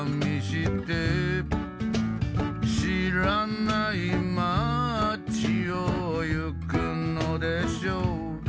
「知らない街をゆくのでしょう」